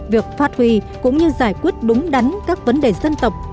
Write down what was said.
việc phát huy cũng như giải quyết đúng đắn các vấn đề dân tộc